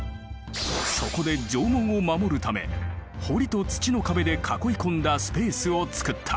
そこで城門を守るため堀と土の壁で囲い込んだスペースを造った。